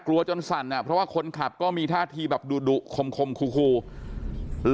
จนสั่นอ่ะเพราะว่าคนขับก็มีท่าทีแบบดุดุคมคู่